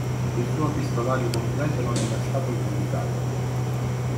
Il suo epistolario completo non è mai stato pubblicato.